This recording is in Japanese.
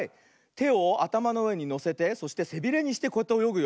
てをあたまのうえにのせてそしてせびれにしてこうやっておよぐよ。